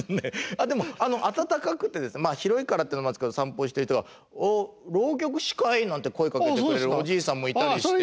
あっでも温かくてですね広いからっていうのもあるんですけど散歩してる人が「おっ浪曲師かい？」なんて声かけてくれるおじいさんもいたりして。